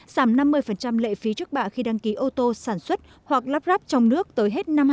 giảm năm mươi lệ phí trước bạ khi đăng ký ô tô sản xuất hoặc lắp ráp trong nước tới hết năm hai nghìn hai mươi